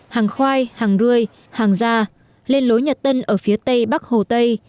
hàng khoai hàng rươi hàng gia lên lối nhật tân ở phía tây bắc hồ tây